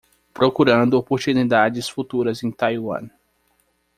Procurando oportunidades futuras em Taiwan